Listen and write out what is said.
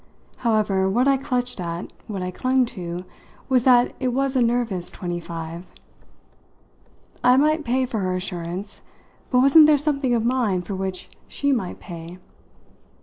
However, what I clutched at, what I clung to, was that it was a nervous twenty five. I might pay for her assurance, but wasn't there something of mine for which she might pay?